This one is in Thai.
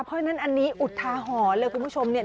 เพราะฉะนั้นอันนี้อุทาหรณ์เลยคุณผู้ชมเนี่ย